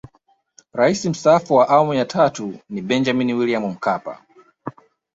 Rais Mstaafu wa Awamu ya tatu ni Benjamini William Mkapa